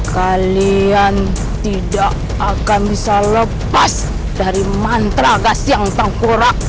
kalian tidak akan bisa lepas dari mantra gas yang tengkurak